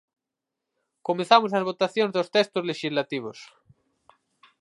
Comezamos as votacións dos textos lexislativos.